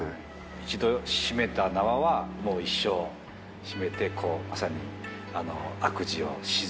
一度締めた縄はもう一生締めてまさに。